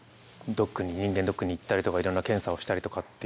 人間ドックに行ったりとかいろんな検査をしたりとかっていう。